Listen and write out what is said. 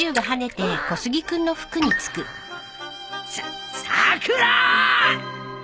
さっさくら！